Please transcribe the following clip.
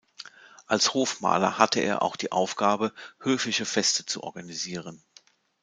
Als Hofmaler hatte er auch die Aufgabe, höfische Feste zu organisieren.